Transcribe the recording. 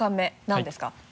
何ですか？